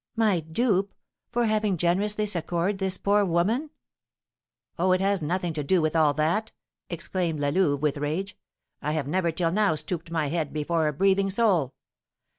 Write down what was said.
"My dupe! for having generously succoured this poor woman?" "Oh, it has nothing to do with all that," exclaimed La Louve, with rage. "I have never till now stooped my head before a breathing soul.